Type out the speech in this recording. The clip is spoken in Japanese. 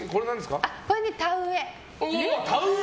これは田植え。